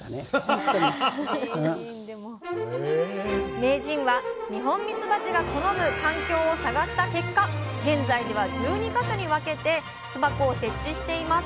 名人は二ホンミツバチが好む環境を探した結果現在では１２か所に分けて巣箱を設置しています。